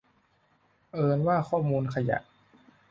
เผอิญว่าข้อมูลขยะ